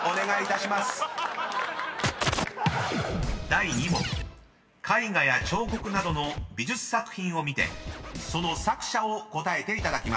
［第２問絵画や彫刻などの美術作品を見てその作者を答えていただきます］